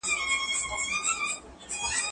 زه به سبا د لوبو لپاره وخت نيسم وم؟!